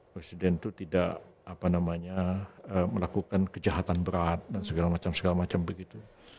presiden itu tidak melakukan kejahatan berat dan segala macam segala macam begitu